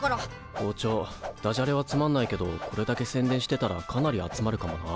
校長ダジャレはつまんないけどこれだけ宣伝してたらかなり集まるかもな。